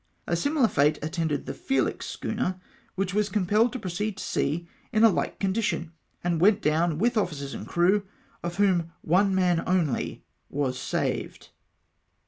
A similar fate attended the Felix schooner, which was compelled to proceed to sea in a like condition, and went down with oflicers and crew, of whom one man only was saved.